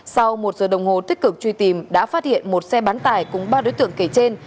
sau một giờ đồng hồ tích cực truy tìm đã phát hiện một xe bán tải cùng ba đối tượng kể trên